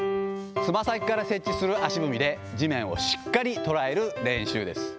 つま先から接地する足踏みで地面をしっかりとらえる練習です。